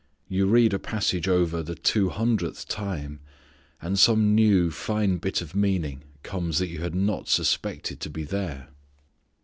You read a passage over the two hundredth time and some new fine bit of meaning comes that you had not suspected to be there.